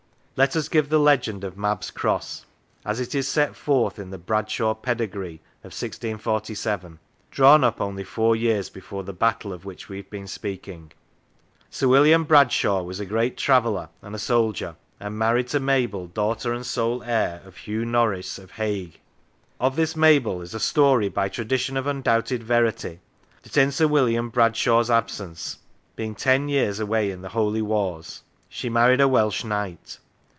Let us give the legend of Mab's Cross as it is set forth in the Bradshaw pedigree of 1647, drawn up only four years before the battle of which we have been speaking :" Sir William Bradshagh was a great traveller and a soldier, and married to Mabel, daughter and sole heir of Hugh Norris of Haigh. Of this Mabel is a story by tradition of undoubted verity that in Sir William Bradshagh's absence (being ten years away in the Holy Wars) she married a Welsh Knight.